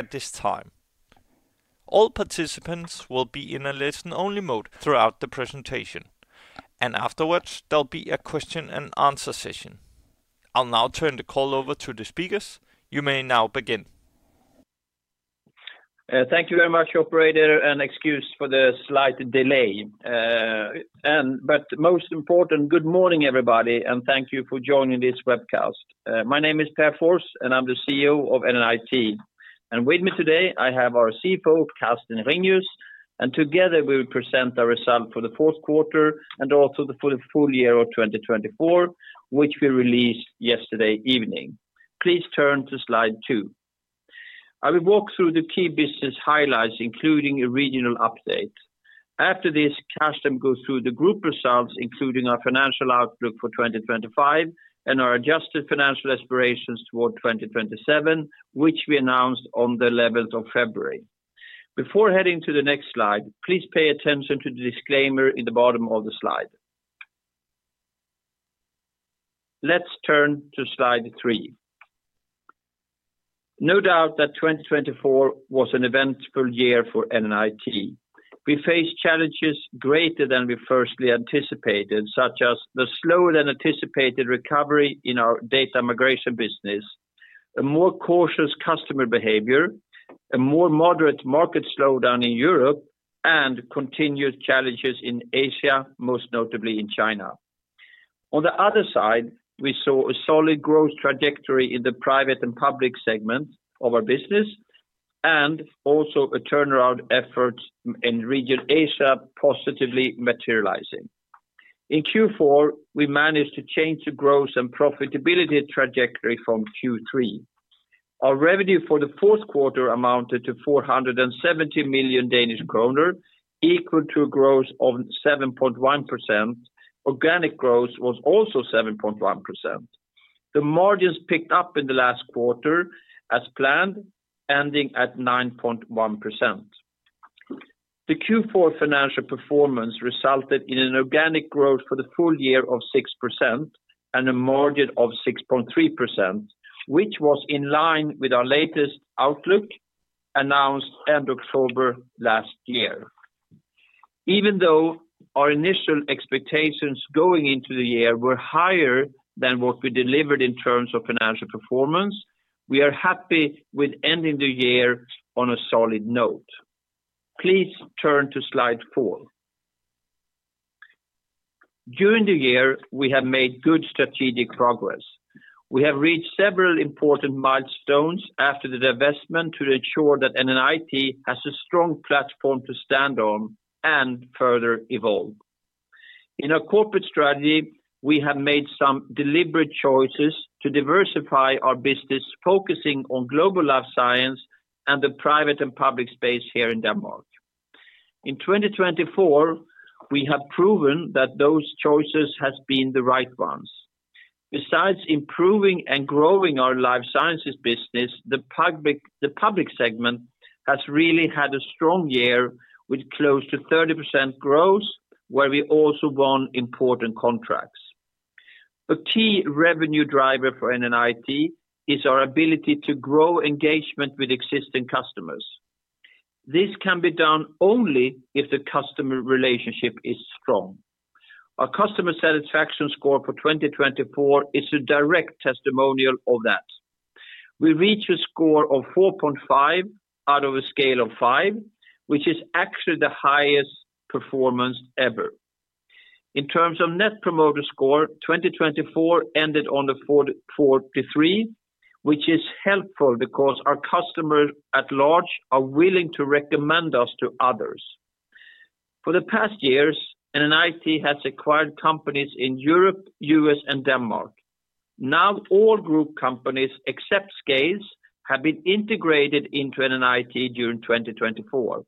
At this time, all participants will be in a listen-only mode throughout the presentation, and afterwards there'll be a question-and-answer session. I'll now turn the call over to the speakers. You may now begin. Thank you very much, Operator, and excuse for the slight delay. Most important, good morning, everybody, and thank you for joining this webcast. My name is Pär Fors, and I'm the CEO of NNIT. With me today, I have our CFO, Carsten Ringius, and together we will present our result for the fourth quarter and also the full year of 2024, which we released yesterday evening. Please turn to slide two. I will walk through the key business highlights, including a regional update. After this, Carsten goes through the group results, including our financial outlook for 2025 and our adjusted financial aspirations toward 2027, which we announced on the 11th of February. Before heading to the next slide, please pay attention to the disclaimer in the bottom of the slide. Let's turn to slide three. No doubt that 2024 was an eventful year for NNIT. We faced challenges greater than we firstly anticipated, such as the slower than anticipated recovery in our data migration business, a more cautious customer behavior, a more moderate market slowdown in Europe, and continued challenges in Asia, most notably in China. On the other side, we saw a solid growth trajectory in the private and public segment of our business, and also a turnaround effort in region Asia positively materializing. In Q4, we managed to change the growth and profitability trajectory from Q3. Our revenue for the fourth quarter amounted to 470 million Danish kroner, equal to a growth of 7.1%. Organic growth was also 7.1%. The margins picked up in the last quarter as planned, ending at 9.1%. The Q4 financial performance resulted in an organic growth for the full year of 6% and a margin of 6.3%, which was in line with our latest outlook announced end of October last year. Even though our initial expectations going into the year were higher than what we delivered in terms of financial performance, we are happy with ending the year on a solid note. Please turn to slide four. During the year, we have made good strategic progress. We have reached several important milestones after the divestment to ensure that NNIT has a strong platform to stand on and further evolve. In our corporate strategy, we have made some deliberate choices to diversify our business, focusing on global life sciences and the private and public space here in Denmark. In 2024, we have proven that those choices have been the right ones. Besides improving and growing our life sciences business, the public segment has really had a strong year with close to 30% growth, where we also won important contracts. A key revenue driver for NNIT is our ability to grow engagement with existing customers. This can be done only if the customer relationship is strong. Our customer satisfaction score for 2024 is a direct testimonial of that. We reached a score of 4.5 out of a scale of 5, which is actually the highest performance ever. In terms of net promoter score, 2024 ended on a 43, which is helpful because our customers at large are willing to recommend us to others. For the past years, NNIT has acquired companies in Europe, the US, and Denmark. Now all group companies, except SCALES, have been integrated into NNIT during 2024.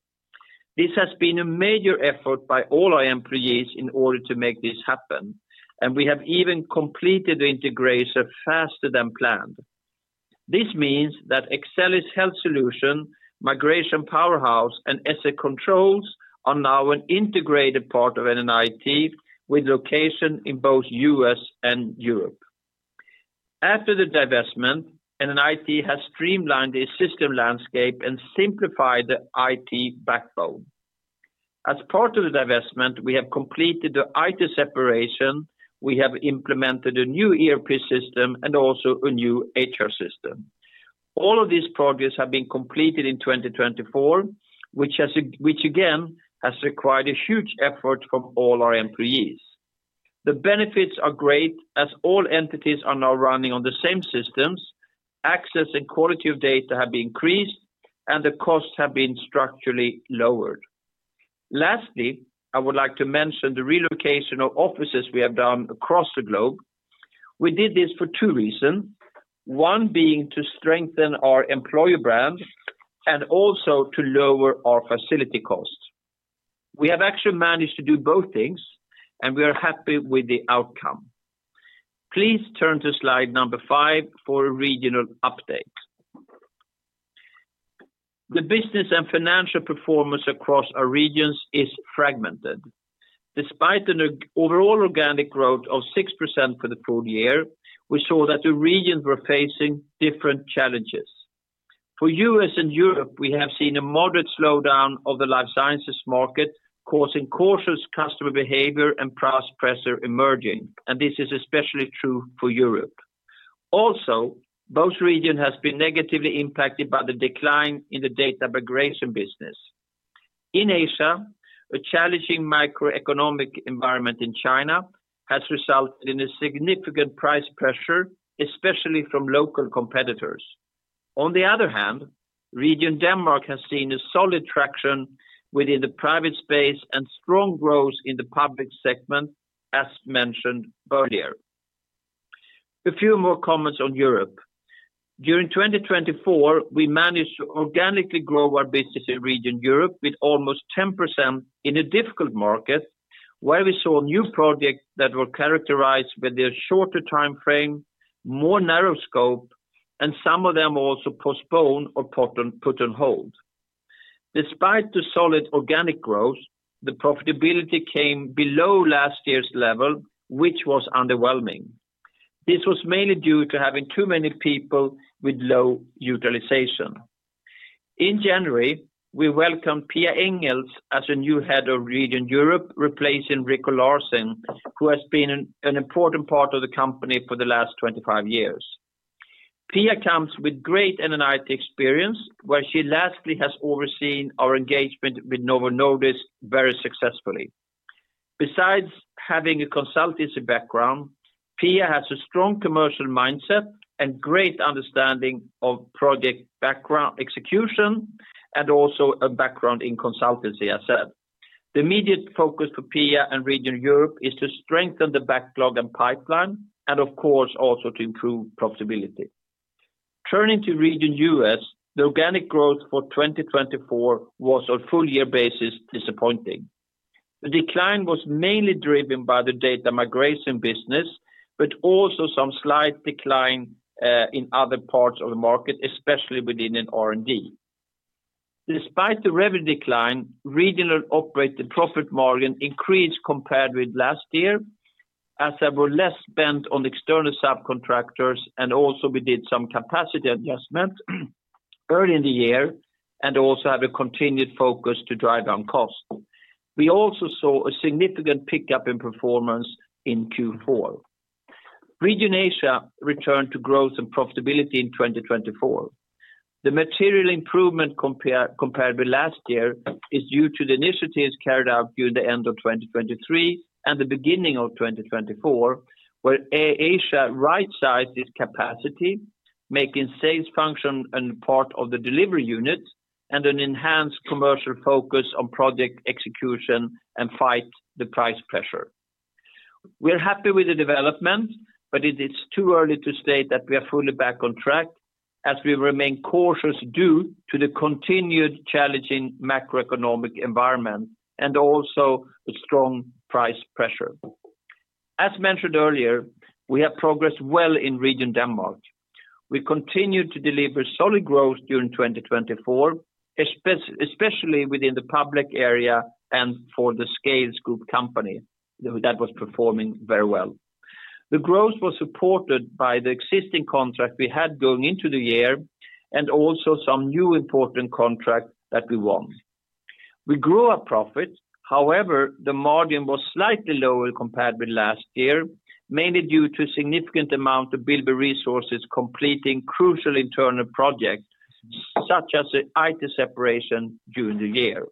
This has been a major effort by all our employees in order to make this happen, and we have even completed the integration faster than planned. This means that Excellis Health Solutions, Migration Powerhouse, and ESSEC Controls are now an integrated part of NNIT with location in both the U.S. and Europe. After the divestment, NNIT has streamlined the system landscape and simplified the IT backbone. As part of the divestment, we have completed the IT separation. We have implemented a new ERP system and also a new HR system. All of these projects have been completed in 2024, which again has required a huge effort from all our employees. The benefits are great as all entities are now running on the same systems. Access and quality of data have increased, and the costs have been structurally lowered. Lastly, I would like to mention the relocation of offices we have done across the globe. We did this for two reasons, one being to strengthen our employer brand and also to lower our facility costs. We have actually managed to do both things, and we are happy with the outcome. Please turn to slide number five for a regional update. The business and financial performance across our regions is fragmented. Despite an overall organic growth of 6% for the full year, we saw that the regions were facing different challenges. For the U.S. and Europe, we have seen a moderate slowdown of the life sciences market, causing cautious customer behavior and price pressure emerging, and this is especially true for Europe. Also, both regions have been negatively impacted by the decline in the data migration business. In Asia, a challenging macroeconomic environment in China has resulted in significant price pressure, especially from local competitors. On the other hand, region Denmark has seen solid traction within the private space and strong growth in the public segment, as mentioned earlier. A few more comments on Europe. During 2024, we managed to organically grow our business in region Europe with almost 10% in a difficult market, where we saw new projects that were characterized by their shorter time frame, more narrow scope, and some of them also postponed or put on hold. Despite the solid organic growth, the profitability came below last year's level, which was underwhelming. This was mainly due to having too many people with low utilization. In January, we welcomed Pia Ingels as a new head of region Europe, replacing Ricco Larsen, who has been an important part of the company for the last 25 years. Pia comes with great NNIT experience, where she lastly has overseen our engagement with Novo Nordisk very successfully. Besides having a consultancy background, Pia has a strong commercial mindset and great understanding of project background execution and also a background in consultancy, as said. The immediate focus for Pia and region Europe is to strengthen the backlog and pipeline, and of course, also to improve profitability. Turning to region U.S., the organic growth for 2024 was, on a full year basis, disappointing. The decline was mainly driven by the data migration business, but also some slight decline in other parts of the market, especially within R&D. Despite the revenue decline, regional operating profit margin increased compared with last year, as I were less bent on external subcontractors, and also we did some capacity adjustment early in the year and also had a continued focus to drive down costs. We also saw a significant pickup in performance in Q4. Region Asia returned to growth and profitability in 2024. The material improvement compared with last year is due to the initiatives carried out during the end of 2023 and the beginning of 2024, where Asia right-sized its capacity, making sales function a part of the delivery unit, and an enhanced commercial focus on project execution and fight the price pressure. We are happy with the development, but it is too early to state that we are fully back on track, as we remain cautious due to the continued challenging macroeconomic environment and also the strong price pressure. As mentioned earlier, we have progressed well in region Denmark. We continue to deliver solid growth during 2024, especially within the public area and for the SCALES group company that was performing very well. The growth was supported by the existing contract we had going into the year and also some new important contracts that we won. We grew our profits. However, the margin was slightly lower compared with last year, mainly due to a significant amount of billable resources completing crucial internal projects, such as the IT separation during the year.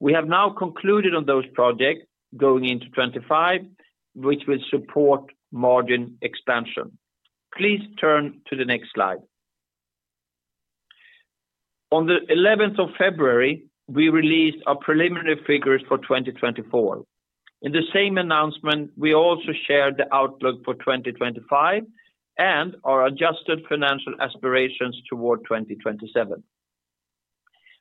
We have now concluded on those projects going into 2025, which will support margin expansion. Please turn to the next slide. On the 11th of February, we released our preliminary figures for 2024. In the same announcement, we also shared the outlook for 2025 and our adjusted financial aspirations toward 2027.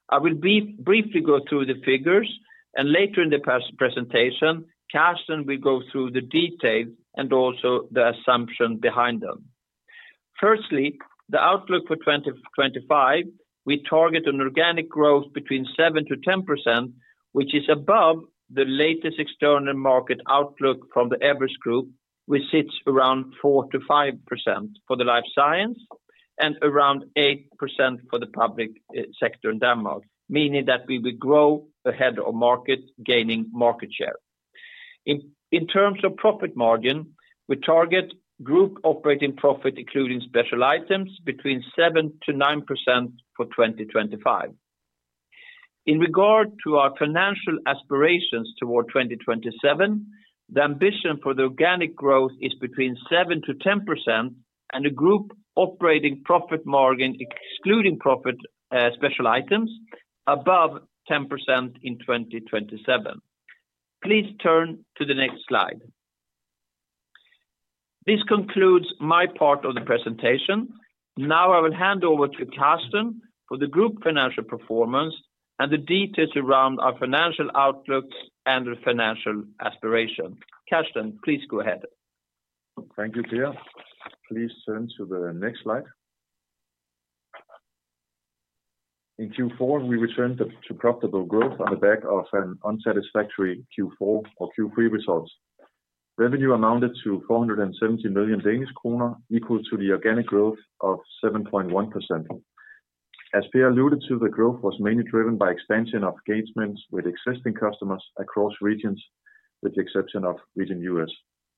I will briefly go through the figures, and later in the presentation, Carsten will go through the details and also the assumptions behind them. Firstly, the outlook for 2025, we target an organic growth between 7%-10%, which is above the latest external market outlook from the Evers Group, which sits around 4%-5% for the life sciences and around 8% for the public sector in Denmark, meaning that we will grow ahead of market, gaining market share. In terms of profit margin, we target group operating profit, including special items, between 7%-9% for 2025. In regard to our financial aspirations toward 2027, the ambition for the organic growth is between 7%-10% and a group operating profit margin excluding special items above 10% in 2027. Please turn to the next slide. This concludes my part of the presentation. Now I will hand over to Carsten for the group financial performance and the details around our financial outlook and the financial aspiration. Carsten, please go ahead. Thank you, Pär. Please turn to the next slide. In Q4, we returned to profitable growth on the back of an unsatisfactory Q4 or Q3 results. Revenue amounted to 470 million Danish kroner, equal to the organic growth of 7.1%. As Pia alluded to, the growth was mainly driven by expansion of engagements with existing customers across regions, with the exception of region U.S.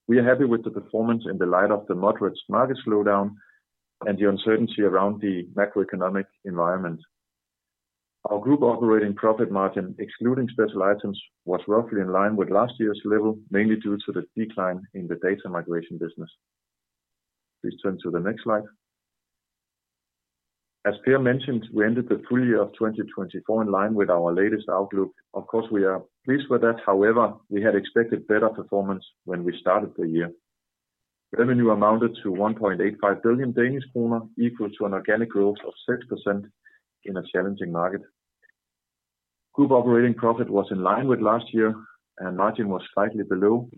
We are happy with the performance in the light of the moderate market slowdown and the uncertainty around the macroeconomic environment. Our group operating profit margin excluding special items was roughly in line with last year's level, mainly due to the decline in the data migration business. Please turn to the next slide. As Pär mentioned, we ended the full year of 2024 in line with our latest outlook. Of course, we are pleased with that. However, we had expected better performance when we started the year. Revenue amounted to 1.85 billion Danish kroner, equal to an organic growth of 6% in a challenging market. Group operating profit was in line with last year, and margin was slightly below.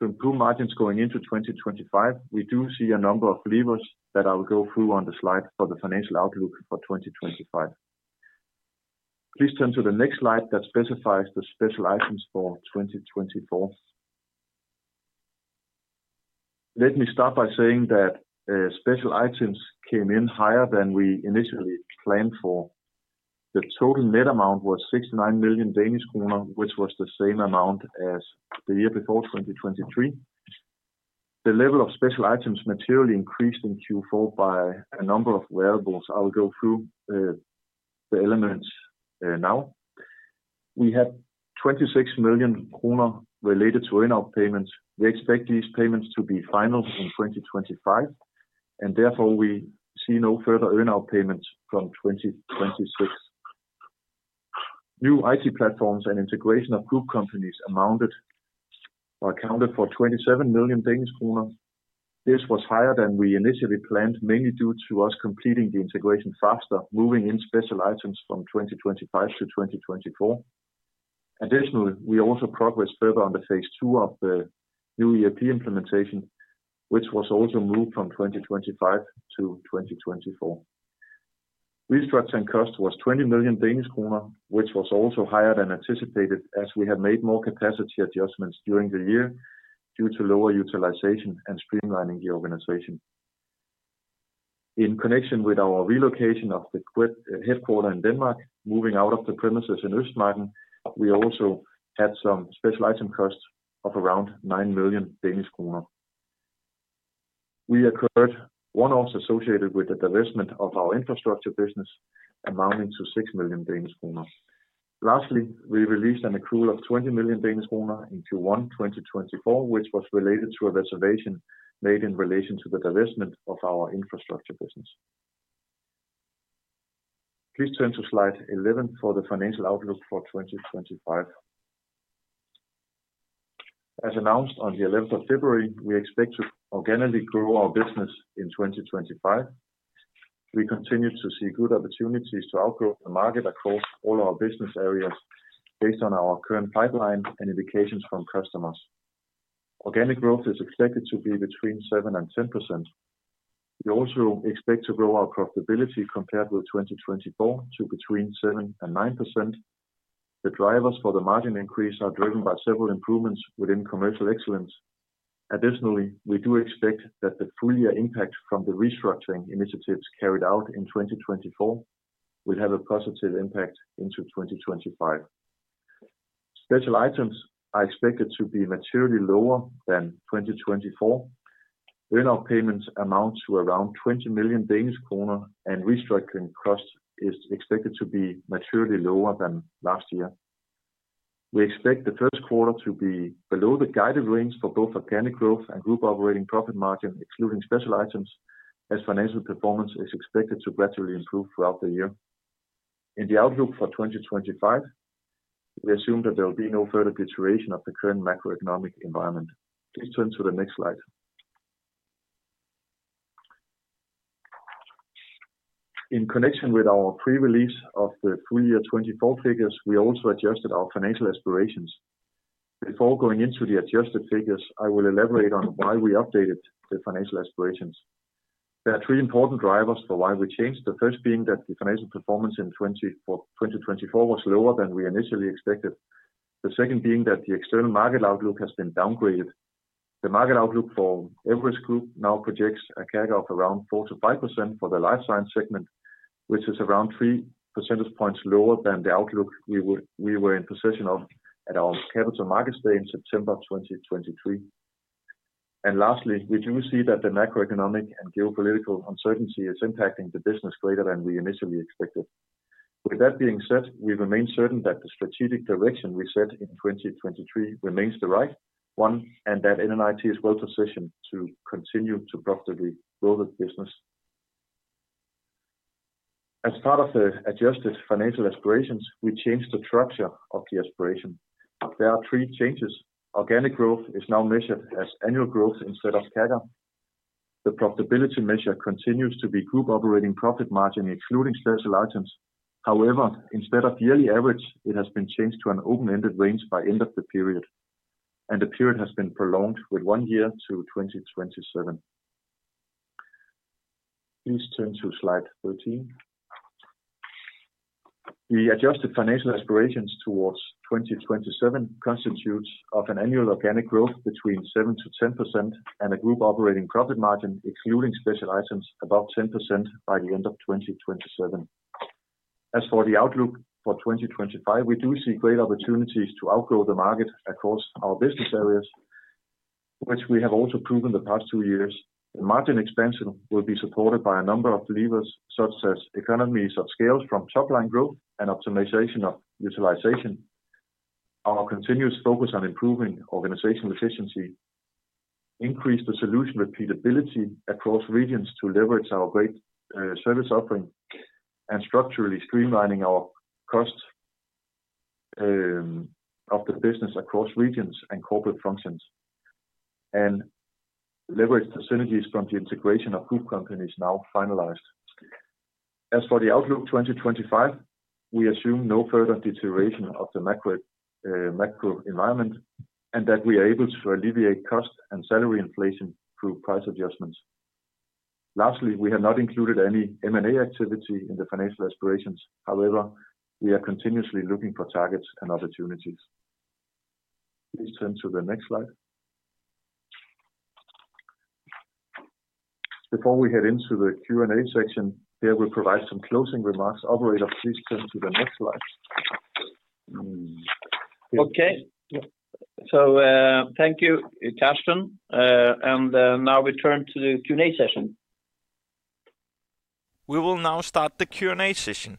To improve margins going into 2025, we do see a number of levers that I will go through on the slide for the financial outlook for 2025. Please turn to the next slide that specifies the special items for 2024. Let me start by saying that special items came in higher than we initially planned for. The total net amount was 69 million Danish kroner, which was the same amount as the year before, 2023. The level of special items materially increased in Q4 by a number of variables. I will go through the elements now. We had 26 million kroner related to earnout payments. We expect these payments to be final in 2025, and therefore we see no further earnout payments from 2026. New IT platforms and integration of group companies amounted or accounted for 27 million Danish kroner. This was higher than we initially planned, mainly due to us completing the integration faster, moving in special items from 2025 to 2024. Additionally, we also progressed further on the phase two of the new ERP implementation, which was also moved from 2025 to 2024. Restructuring cost was 20 million Danish kroner, which was also higher than anticipated, as we had made more capacity adjustments during the year due to lower utilization and streamlining the organization. In connection with our relocation of the headquarter in Denmark, moving out of the premises in Østmarken, we also had some special item costs of around 9 million Danish kroner. We occurred one-offs associated with the divestment of our infrastructure business, amounting to 6 million Danish kroner. Lastly, we released an accrual of 20 million Danish kroner in Q1 2024, which was related to a reservation made in relation to the divestment of our infrastructure business. Please turn to slide 11 for the financial outlook for 2025. As announced on the 11th of February, we expect to organically grow our business in 2025. We continue to see good opportunities to outgrow the market across all our business areas based on our current pipeline and indications from customers. Organic growth is expected to be between 7% and 10%. We also expect to grow our profitability compared with 2024 to between 7% and 9%. The drivers for the margin increase are driven by several improvements within commercial excellence. Additionally, we do expect that the full year impact from the restructuring initiatives carried out in 2024 will have a positive impact into 2025. Special items are expected to be materially lower than 2024. Earnout payments amount to around 20 million Danish kroner, and restructuring cost is expected to be materially lower than last year. We expect the first quarter to be below the guided range for both organic growth and group operating profit margin, excluding special items, as financial performance is expected to gradually improve throughout the year. In the outlook for 2025, we assume that there will be no further deterioration of the current macroeconomic environment. Please turn to the next slide. In connection with our pre-release of the full year 2024 figures, we also adjusted our financial aspirations. Before going into the adjusted figures, I will elaborate on why we updated the financial aspirations. There are three important drivers for why we changed. The first being that the financial performance in 2024 was lower than we initially expected. The second being that the external market outlook has been downgraded. The market outlook for Evers Group now projects a CAGR of around 4%-5% for the life sciences segment, which is around 3 percentage points lower than the outlook we were in possession of at our capital markets day in September 2023. Lastly, we do see that the macroeconomic and geopolitical uncertainty is impacting the business greater than we initially expected. With that being said, we remain certain that the strategic direction we set in 2023 remains the right one and that NNIT is well positioned to continue to profitably grow the business. As part of the adjusted financial aspirations, we changed the structure of the aspiration. There are three changes. Organic growth is now measured as annual growth instead of CAGR. The profitability measure continues to be group operating profit margin excluding special items. However, instead of yearly average, it has been changed to an open-ended range by the end of the period, and the period has been prolonged with one year to 2027. Please turn to slide 13. The adjusted financial aspirations towards 2027 constitute an annual organic growth between 7%-10% and a group operating profit margin excluding special items above 10% by the end of 2027. As for the outlook for 2025, we do see great opportunities to outgrow the market across our business areas, which we have also proven the past two years. The margin expansion will be supported by a number of levers such as economies of scale from top-line growth and optimization of utilization. Our continuous focus on improving organizational efficiency increased the solution repeatability across regions to leverage our great service offering and structurally streamlining our cost of the business across regions and corporate functions and leverage the synergies from the integration of group companies now finalized. As for the outlook 2025, we assume no further deterioration of the macro environment and that we are able to alleviate cost and salary inflation through price adjustments. Lastly, we have not included any M&A activity in the financial aspirations. However, we are continuously looking for targets and opportunities. Please turn to the next slide. Before we head into the Q&A section, Pär will provide some closing remarks. Operator, please turn to the next slide. Okay. Thank you, Carsten. Now we turn to the Q&A session. We will now start the Q&A session.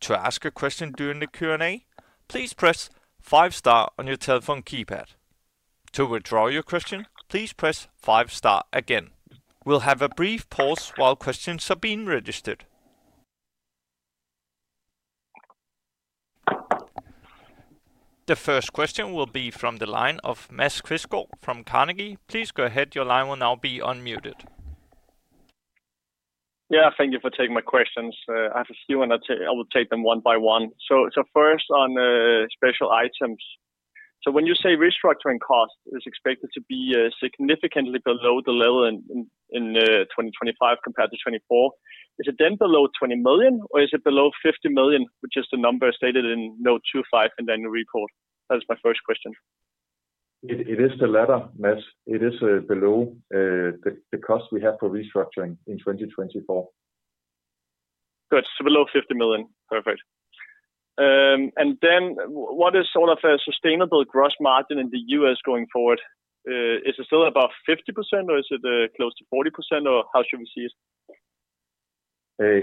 To ask a question during the Q&A, please press five-star on your telephone keypad. To withdraw your question, please press five-star again. We'll have a brief pause while questions are being registered. The first question will be from the line of Ms. Krizker from Carnegie. Please go ahead. Your line will now be unmuted. Yeah, thank you for taking my questions. I have a few, and I will take them one by one. First on special items. When you say restructuring cost is expected to be significantly below the level in 2025 compared to 2024, is it then below 20 million, or is it below 50 million, which is the number stated in note 25 in the annual report? That is my first question. It is the latter, Ms. It is below the cost we have for restructuring in 2024. Good. So below 50 million. Perfect. What is sort of a sustainable gross margin in the U.S. going forward? Is it still about 50%, or is it close to 40%, or how should we see it?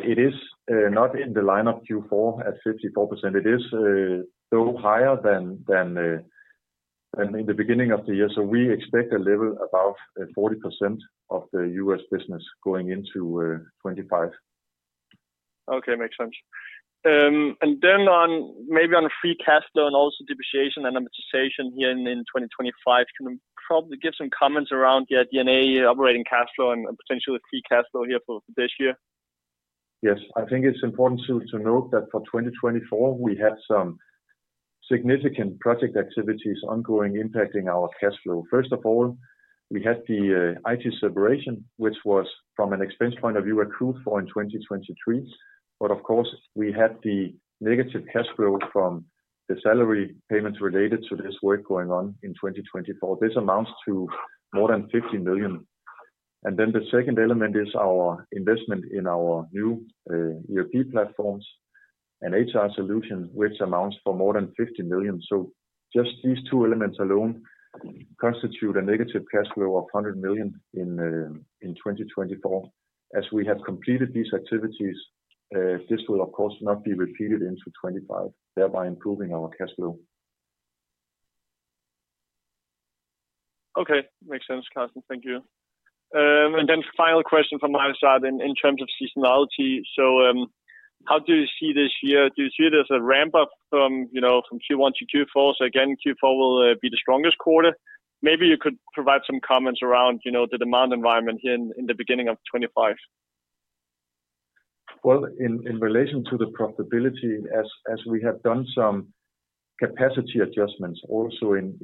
It is not in the line of Q4 at 54%. It is still higher than in the beginning of the year. We expect a level above 40% of the U.S. business going into 2025. Okay, makes sense. Maybe on free cash flow and also depreciation and amortization here in 2025, can you probably give some comments around the DNA operating cash flow and potentially free cash flow here for this year? Yes, I think it's important to note that for 2024, we had some significant project activities ongoing impacting our cash flow. First of all, we had the IT separation, which was, from an expense point of view, accrued for in 2023. Of course, we had the negative cash flow from the salary payments related to this work going on in 2024. This amounts to more than 50 million. The second element is our investment in our new ERP platforms and HR solutions, which amounts to more than 50 million. Just these two elements alone constitute a negative cash flow of 100 million in 2024. As we have completed these activities, this will, of course, not be repeated into 2025, thereby improving our cash flow. Okay, makes sense, Carsten. Thank you. Final question from my side in terms of seasonality. How do you see this year? Do you see there is a ramp-up from Q1 to Q4? Again, Q4 will be the strongest quarter. Maybe you could provide some comments around the demand environment here in the beginning of 2025. In relation to the profitability, as we have done some capacity adjustments also in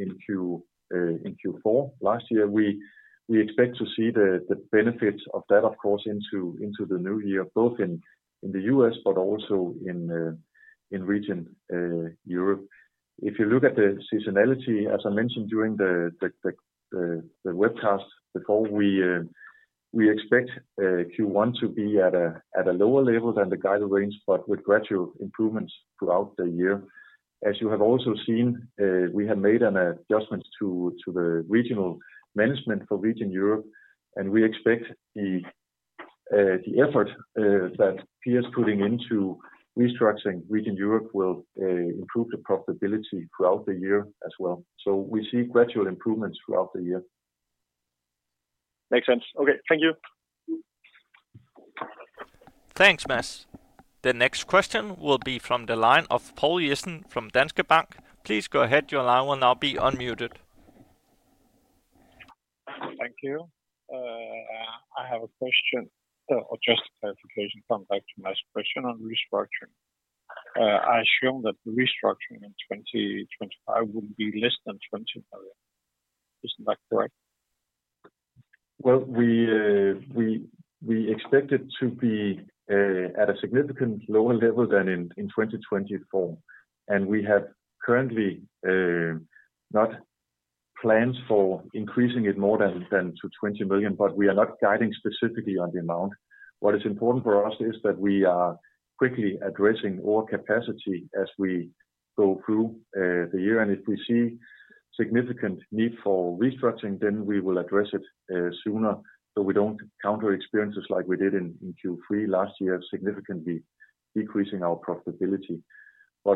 Q4 last year, we expect to see the benefits of that, of course, into the new year, both in the US but also in region Europe. If you look at the seasonality, as I mentioned during the webcast before, we expect Q1 to be at a lower level than the guided range, but with gradual improvements throughout the year. As you have also seen, we have made an adjustment to the regional management for region Europe, and we expect the effort that Pär is putting into restructuring region Europe will improve the profitability throughout the year as well. We see gradual improvements throughout the year. Makes sense. Okay, thank you. Thanks, Ms. The next question will be from the line of Paul Jessen from Danske Bank. Please go ahead. Your line will now be unmuted. Thank you. I have a question or just a clarification coming back to Ms. question on restructuring. I assume that restructuring in 2025 will be less than 20 million. Isn't that correct? We expect it to be at a significantly lower level than in 2024. We have currently not plans for increasing it more than to 20 million, but we are not guiding specifically on the amount. What is important for us is that we are quickly addressing our capacity as we go through the year. If we see significant need for restructuring, we will address it sooner so we do not counter experiences like we did in Q3 last year, significantly decreasing our profitability.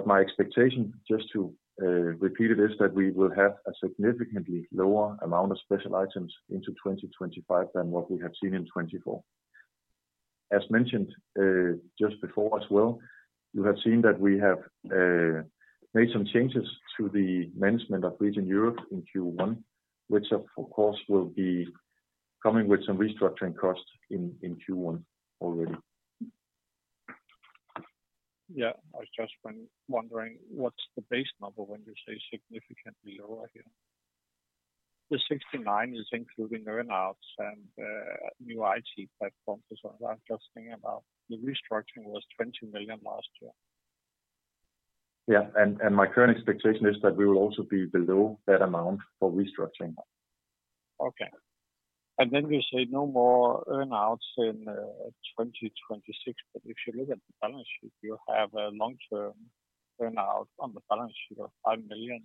My expectation, just to repeat it, is that we will have a significantly lower amount of special items into 2025 than what we have seen in 2024. As mentioned just before as well, you have seen that we have made some changes to the management of region Europe in Q1, which, of course, will be coming with some restructuring costs in Q1 already. Yeah, I was just wondering what's the base number when you say significantly lower here? The 69 is including earnouts and new IT platforms and so on. I was just thinking about the restructuring was 20 million last year. Yeah, and my current expectation is that we will also be below that amount for restructuring. Okay. You say no more earnouts in 2026, but if you look at the balance sheet, you have a long-term earnout on the balance sheet of 5 million,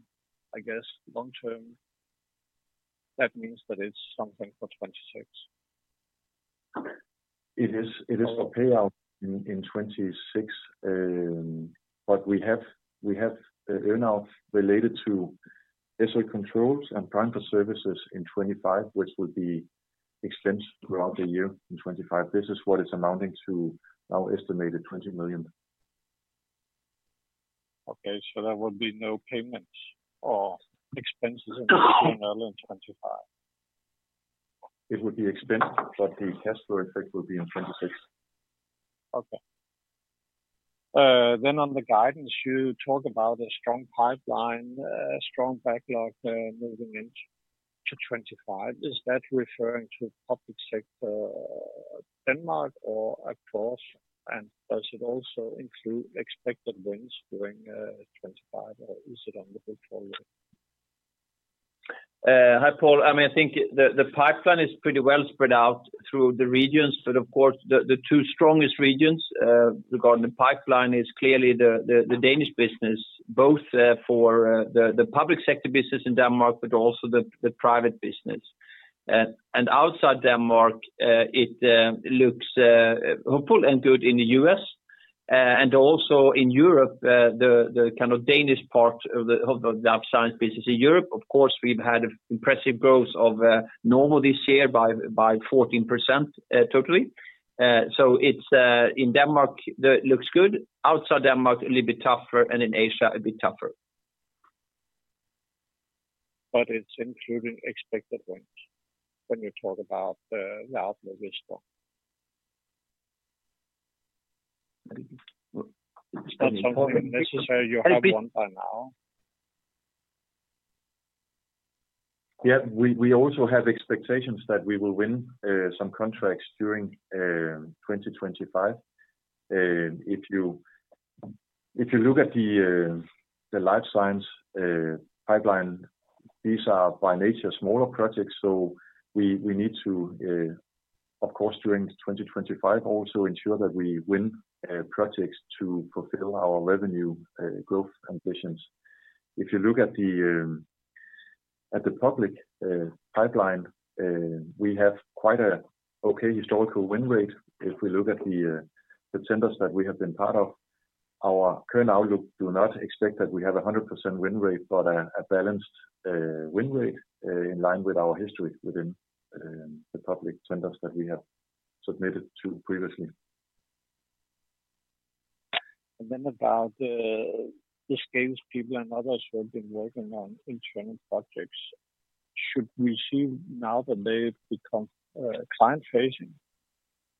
I guess. Long-term, that means that it's something for 2026. It is for payout in 2026, but we have earnouts related to SO controls and transfer services in 2025, which will be expensed throughout the year in 2025. This is what it's amounting to now, estimated 20 million. Okay, so there would be no payments or expenses in early 2025. It would be expensed, but the cash flow effect will be in 2026. Okay. On the guidance, you talk about a strong pipeline, strong backlog moving into 2025. Is that referring to public sector Denmark or across? Does it also include expected wins during 2025, or is it on the book for you? Hi, Paul. I mean, I think the pipeline is pretty well spread out through the regions. Of course, the two strongest regions regarding the pipeline are clearly the Danish business, both for the public sector business in Denmark, but also the private business. Outside Denmark, it looks hopeful and good in the U.S. and also in Europe, the kind of Danish part of the life sciences business in Europe. We have had an impressive growth of normal this year by 14% totally. In Denmark, it looks good. Outside Denmark, a little bit tougher, and in Asia, a bit tougher. It's including expected wins when you talk about the outlook is strong. That's something necessary. You have one by now. Yeah, we also have expectations that we will win some contracts during 2025. If you look at the life science pipeline, these are by nature smaller projects. So we need to, of course, during 2025, also ensure that we win projects to fulfill our revenue growth ambitions. If you look at the public pipeline, we have quite an okay historical win rate. If we look at the tenders that we have been part of, our current outlook does not expect that we have a 100% win rate, but a balanced win rate in line with our history within the public tenders that we have submitted to previously. About the salespeople and others who have been working on internal projects. Should we see now that they've become client-facing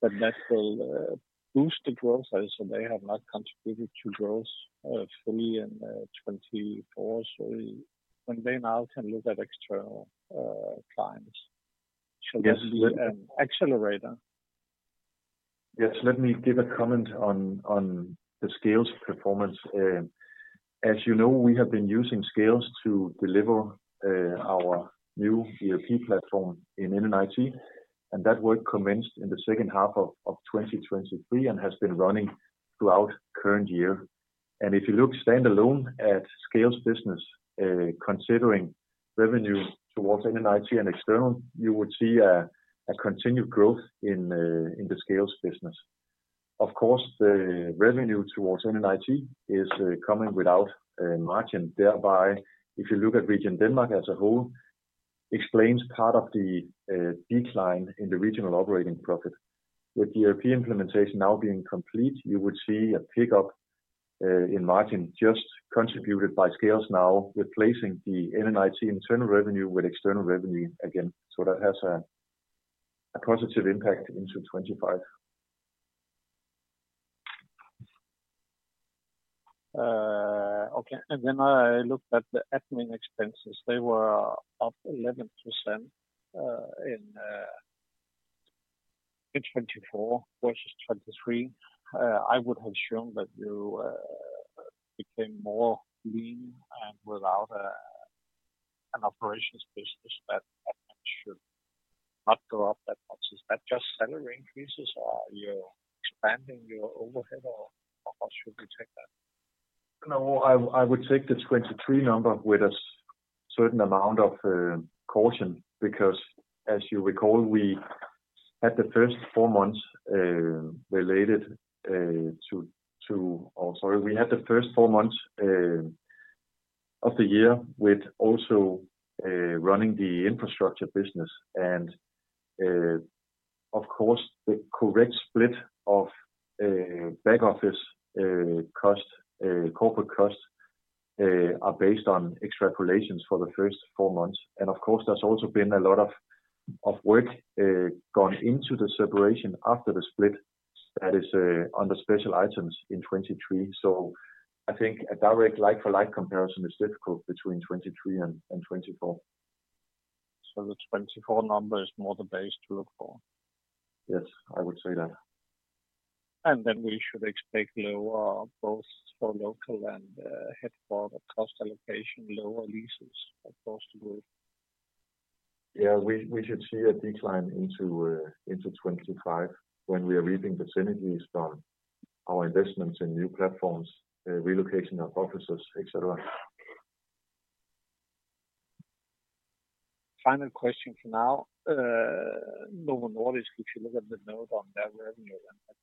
that that will boost the growth as they have not contributed to growth fully in 2024? When they now can look at external clients, should that be an accelerator? Yes, let me give a comment on the SCALES performance. As you know, we have been using SCALES to deliver our new ERP platform in NNIT, and that work commenced in the second half of 2023 and has been running throughout the current year. If you look standalone at SCALES business, considering revenue towards NNIT and external, you would see a continued growth in the SCALES business. Of course, the revenue towards NNIT is coming without margin. Thereby, if you look at region Denmark as a whole, it explains part of the decline in the regional operating profit. With the ERP implementation now being complete, you would see a pickup in margin just contributed by SCALES now, replacing the NNIT internal revenue with external revenue again. That has a positive impact into 2025. Okay, and then I looked at the admin expenses. They were up 11% in 2024 versus 2023. I would have assumed that you became more lean and without an operations business that should not go up that much. Is that just salary increases, or are you expanding your overhead, or how should we take that? No, I would take the 2023 number with a certain amount of caution because, as you recall, we had the first four months related to—oh, sorry. We had the first four months of the year with also running the infrastructure business. Of course, the correct split of back office cost, corporate cost, are based on extrapolations for the first four months. Of course, there has also been a lot of work gone into the separation after the split that is under special items in 2023. I think a direct like-for-like comparison is difficult between 2023 and 2024. The 2024 number is more the base to look for. Yes, I would say that. We should expect lower both for local and headquarter cost allocation, lower leases, of course, to go. We should see a decline into 2025 when we are reaping the synergies from our investments in new platforms, relocation of offices, etc. Final question for now. Novo Nordisk, if you look at the note on their revenue,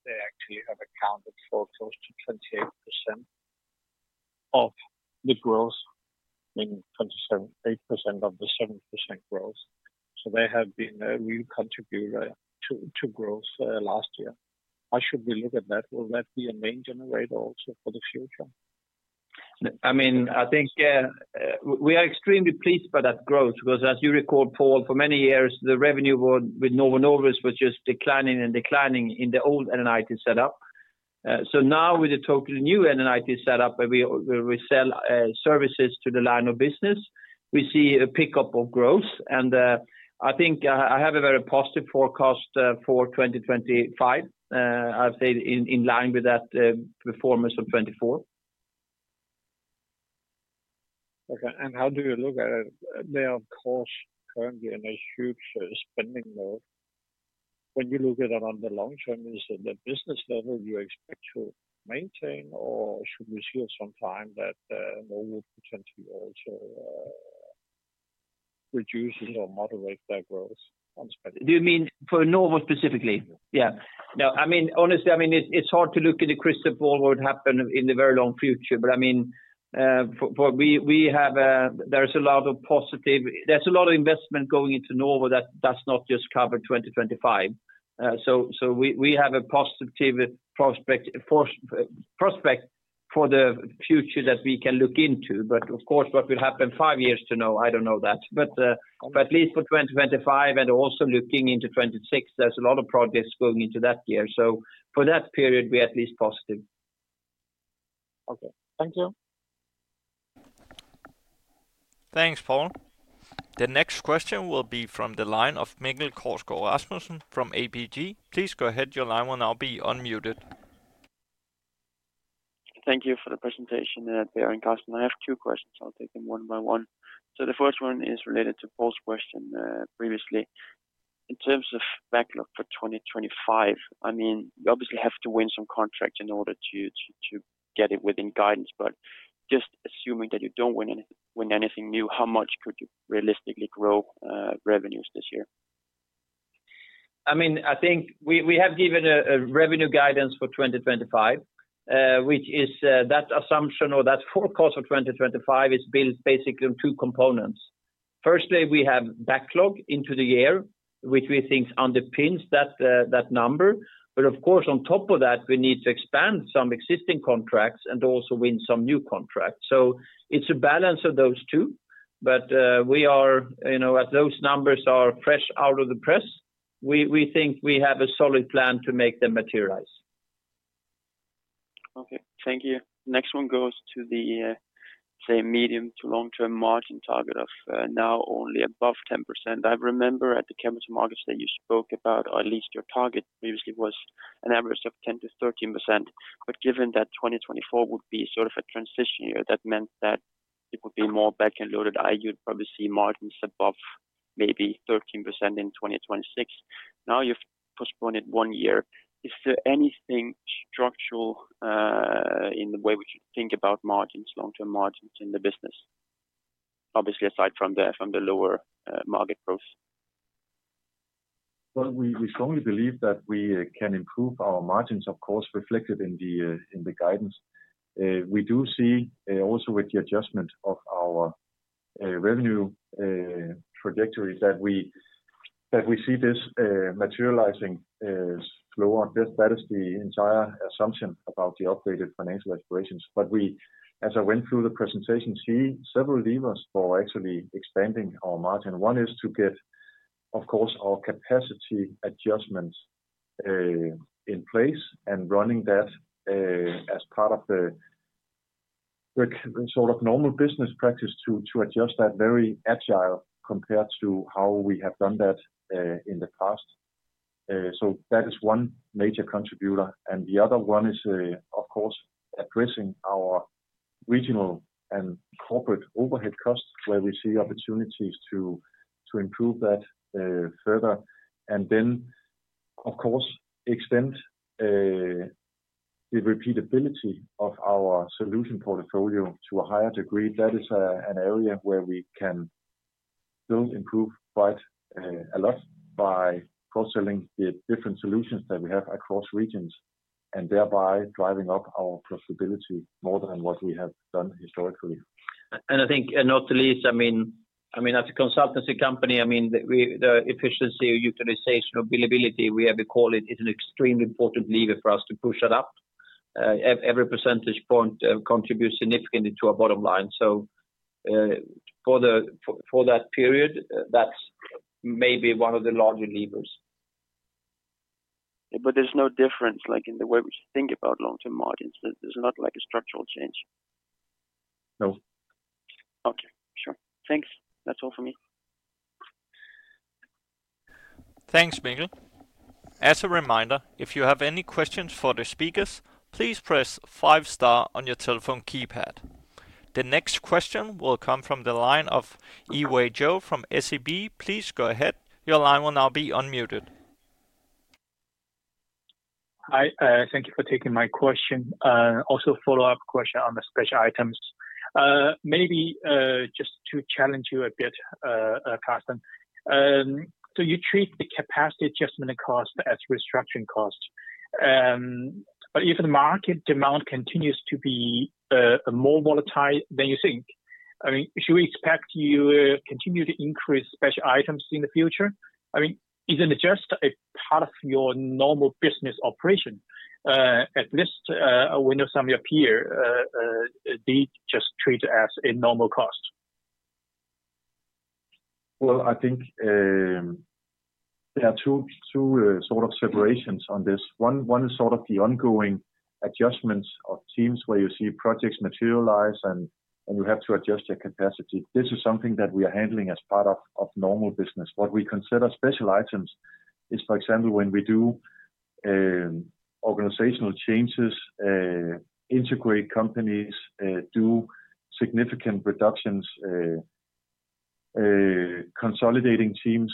they actually have accounted for close to 28% of the growth, meaning 27.8% of the 7% growth. They have been a real contributor to growth last year. How should we look at that? Will that be a main generator also for the future? I mean, I think we are extremely pleased by that growth because, as you recall, Paul, for many years, the revenue with Novo Nordisk was just declining and declining in the old NNIT setup. Now, with the total new NNIT setup where we sell services to the line of business, we see a pickup of growth. I think I have a very positive forecast for 2025, I'd say, in line with that performance of 2024. Okay, and how do you look at it? They are, of course, currently in a huge spending mode. When you look at it on the long term, is it the business level you expect to maintain, or should we see at some time that Novo potentially also reduces or moderates their growth on spending? Do you mean for Novo specifically? Yeah. No, I mean, honestly, I mean, it's hard to look at the crystal ball of what would happen in the very long future. I mean, we have a lot of positive—a lot of investment going into Novo that does not just cover 2025. We have a positive prospect for the future that we can look into. Of course, what will happen five years from now, I don't know that. At least for 2025 and also looking into 2026, there's a lot of projects going into that year. For that period, we are at least positive. Okay, thank you. Thanks, Paul. The next question will be from the line of Mikkel Kousgaard Rasmussen from ABG. Please go ahead. Your line will now be unmuted. Thank you for the presentation, Bjørn Carsten. I have two questions. I'll take them one by one. The first one is related to Paul's question previously. In terms of backlog for 2025, I mean, you obviously have to win some contracts in order to get it within guidance. Just assuming that you don't win anything new, how much could you realistically grow revenues this year? I mean, I think we have given a revenue guidance for 2025, which is that assumption or that forecast for 2025 is built basically on two components. Firstly, we have backlog into the year, which we think underpins that number. Of course, on top of that, we need to expand some existing contracts and also win some new contracts. It is a balance of those two. We are, as those numbers are fresh out of the press, we think we have a solid plan to make them materialize. Okay, thank you. Next one goes to the, say, medium to long-term margin target of now only above 10%. I remember at the Cambridge Markets that you spoke about, or at least your target previously was an average of 10-13%. Given that 2024 would be sort of a transition year, that meant that it would be more back-end loaded, you'd probably see margins above maybe 13% in 2026. Now you have postponed it one year. Is there anything structural in the way we should think about margins, long-term margins in the business, obviously aside from the lower market growth? We strongly believe that we can improve our margins, of course, reflected in the guidance. We do see also with the adjustment of our revenue trajectory that we see this materializing slower. That is the entire assumption about the updated financial aspirations. As I went through the presentation, we see several levers for actually expanding our margin. One is to get, of course, our capacity adjustment in place and running that as part of the sort of normal business practice to adjust that very agile compared to how we have done that in the past. That is one major contributor. The other one is, of course, addressing our regional and corporate overhead costs where we see opportunities to improve that further. Of course, extend the repeatability of our solution portfolio to a higher degree. That is an area where we can still improve quite a lot by cross-selling the different solutions that we have across regions and thereby driving up our profitability more than what we have done historically. I think not the least, I mean, as a consultancy company, the efficiency or utilization or billability, we call it, is an extremely important lever for us to push that up. Every percentage point contributes significantly to our bottom line. For that period, that's maybe one of the larger levers. There's no difference in the way we think about long-term margins. There's not a structural change. No. Okay, sure. Thanks. That's all for me. Thanks, Mikkel. As a reminder, if you have any questions for the speakers, please press five star on your telephone keypad. The next question will come from the line of Ewe Joe from SEB. Please go ahead. Your line will now be unmuted. Hi, thank you for taking my question. Also follow-up question on the special items. Maybe just to challenge you a bit, Carsten. Do you treat the capacity adjustment cost as restructuring cost? If the market demand continues to be more volatile than you think, should we expect you to continue to increase special items in the future? I mean, isn't it just a part of your normal business operation? At least we know some of your peers, they just treat it as a normal cost. I think there are two sort of separations on this. One is sort of the ongoing adjustments of teams where you see projects materialize and you have to adjust your capacity. This is something that we are handling as part of normal business. What we consider special items is, for example, when we do organizational changes, integrate companies, do significant reductions, consolidating teams,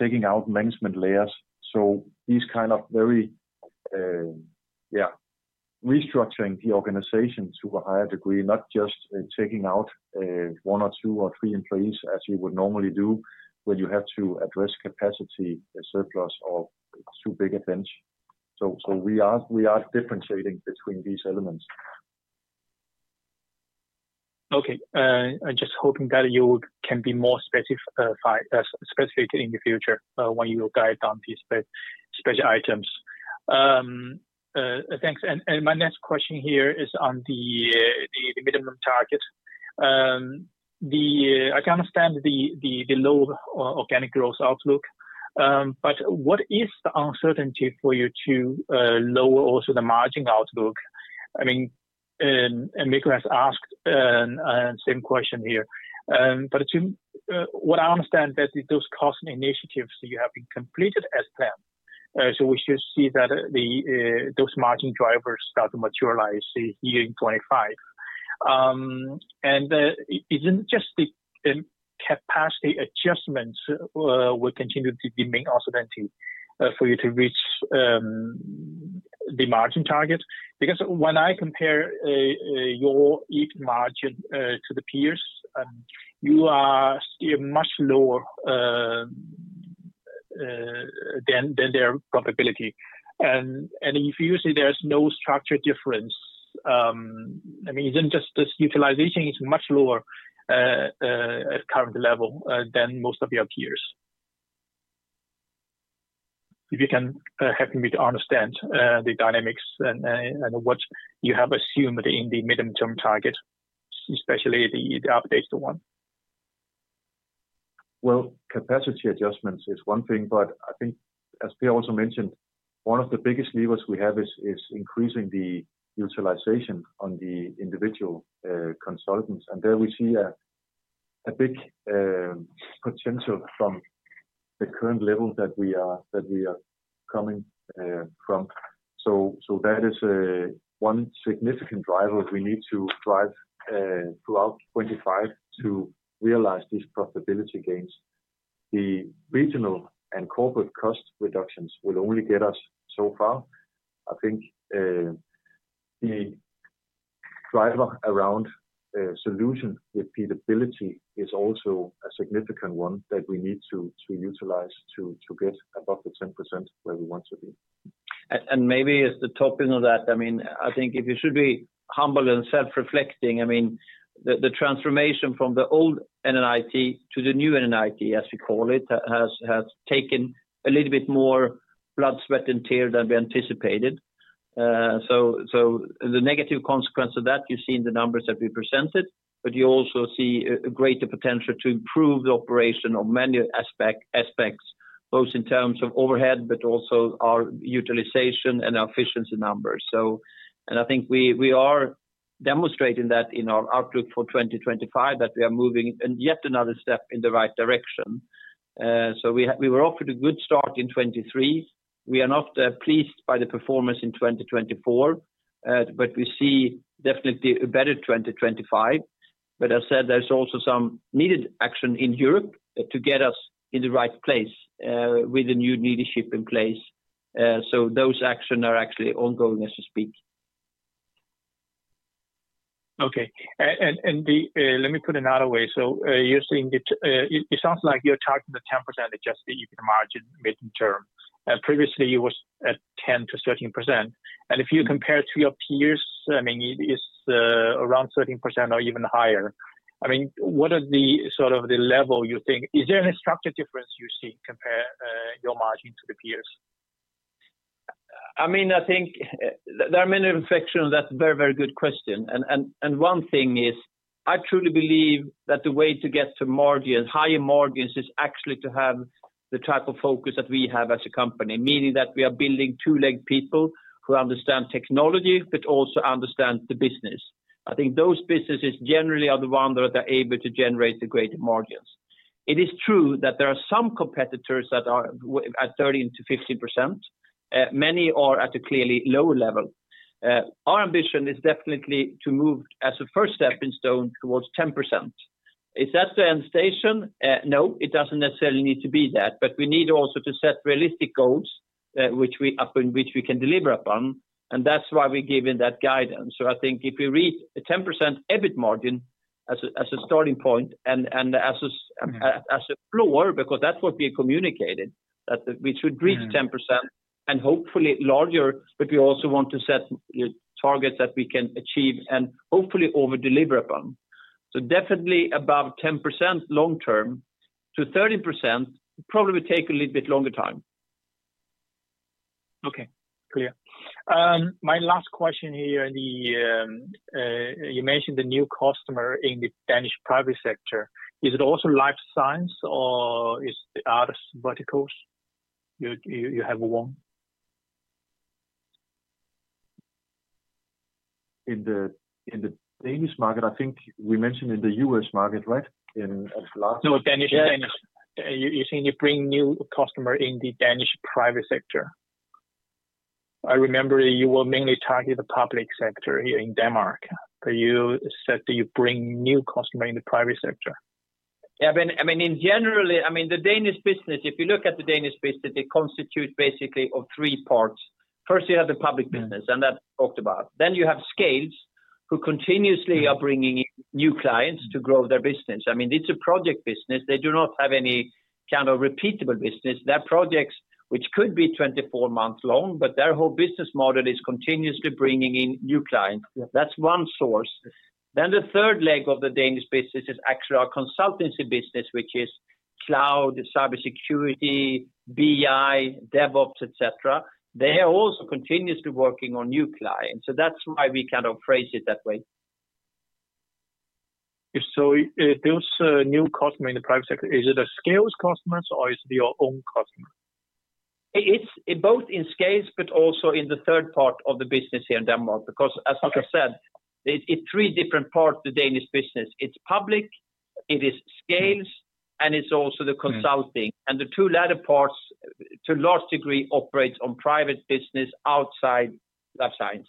taking out management layers. These kind of very, yeah, restructuring the organization to a higher degree, not just taking out one or two or three employees as you would normally do when you have to address capacity surplus or too big a bench. We are differentiating between these elements. Okay. I'm just hoping that you can be more specific in the future when you guide down these special items. Thanks. My next question here is on the minimum target. I can understand the low organic growth outlook, but what is the uncertainty for you to lower also the margin outlook? I mean, Mikkel has asked the same question here. What I understand is that those cost initiatives you have been completed as planned. We should see that those margin drivers start to materialize here in 2025. Isn't just the capacity adjustments will continue to be the main uncertainty for you to reach the margin target? Because when I compare your EAT margin to the peers, you are still much lower than their probability. If you see there's no structure difference, I mean, isn't just this utilization is much lower at current level than most of your peers? If you can help me to understand the dynamics and what you have assumed in the medium-term target, especially the updated one. Capacity adjustments is one thing, but I think, as Pär also mentioned, one of the biggest levers we have is increasing the utilization on the individual consultants. There we see a big potential from the current level that we are coming from. That is one significant driver we need to drive throughout 2025 to realize these profitability gains. The regional and corporate cost reductions will only get us so far. I think the driver around solution repeatability is also a significant one that we need to utilize to get above the 10% where we want to be. Maybe as the topic of that, I mean, I think if you should be humble and self-reflecting, I mean, the transformation from the old NNIT to the new NNIT, as we call it, has taken a little bit more blood, sweat, and tear than we anticipated. The negative consequence of that, you see in the numbers that we presented, but you also see a greater potential to improve the operation on many aspects, both in terms of overhead, but also our utilization and our efficiency numbers. I think we are demonstrating that in our outlook for 2025, that we are moving yet another step in the right direction. We were offered a good start in 2023. We are not pleased by the performance in 2024, but we see definitely a better 2025. As I said, there is also some needed action in Europe to get us in the right place with the new leadership in place. Those actions are actually ongoing, as you speak. Okay. Let me put another way. You are saying it sounds like you are talking the 10% adjusted EAT margin mid-term. Previously, it was at 10-13%. If you compare it to your peers, I mean, it's around 13% or even higher. I mean, what are the sort of the level you think? Is there any structure difference you see compare your margin to the peers? I mean, I think there are many reflections on that very, very good question. One thing is I truly believe that the way to get to higher margins is actually to have the type of focus that we have as a company, meaning that we are building two-legged people who understand technology, but also understand the business. I think those businesses generally are the ones that are able to generate the greater margins. It is true that there are some competitors that are at 13-15%. Many are at a clearly low level. Our ambition is definitely to move as a first stepping stone towards 10%. Is that the end station? No, it doesn't necessarily need to be that. We need also to set realistic goals, which we can deliver upon. That's why we're given that guidance. I think if we reach a 10% EBIT margin as a starting point and as a floor, because that's what we communicated, that we should reach 10% and hopefully larger, but we also want to set targets that we can achieve and hopefully overdeliver upon. Definitely above 10% long-term. To 13%, probably will take a little bit longer time. Okay, clear. My last question here, you mentioned the new customer in the Danish private sector. Is it also life science or is it other verticals you have a warm? In the Danish market, I think we mentioned in the U.S. market, right? In the last. No, Danish. You're saying you bring new customers in the Danish private sector. I remember you were mainly targeting the public sector here in Denmark. You said that you bring new customers in the private sector. Yeah, I mean, in general, I mean, the Danish business, if you look at the Danish business, it constitutes basically of three parts. First, you have the public business, and that's talked about. You have SCALES who continuously are bringing in new clients to grow their business. I mean, it's a project business. They do not have any kind of repeatable business. They have projects which could be 24 months long, but their whole business model is continuously bringing in new clients. That's one source. The third leg of the Danish business is actually our consultancy business, which is cloud, cybersecurity, BI, DevOps, etc. They are also continuously working on new clients. That is why we kind of phrase it that way. Those new customers in the private sector, is it a SCALES customer or is it your own customer? It is both in SCALES, but also in the third part of the business here in Denmark. Because as I said, it is three different parts of the Danish business. It is public, it is SCALES, and it is also the consulting. The two latter parts, to a large degree, operate on private business outside life sciences.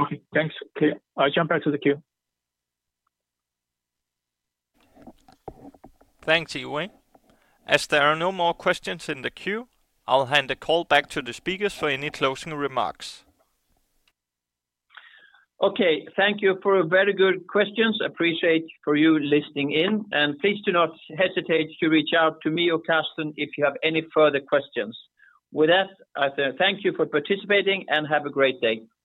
Okay, thanks. I will jump back to the queue. Thanks, Ewei. If there are no more questions in the queue, I will hand the call back to the speakers for any closing remarks. Thank you for very good questions. Appreciate you listening in. Please do not hesitate to reach out to me or Carsten if you have any further questions. With that, I thank you for participating and have a great day.